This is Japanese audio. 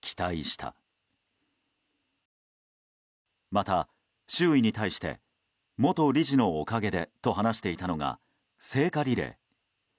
また、周囲に対して元理事のおかげでと話していたのが聖火リレー。